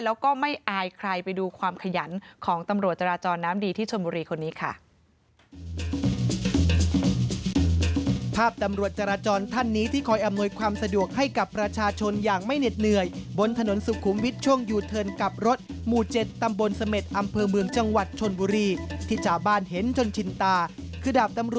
แล้วก็ไม่อายใครไปดูความขยันของตำรวจจราจรน้ำดีที่ชนบุรีคนนี้ค่ะ